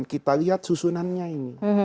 kita lihat susunannya ini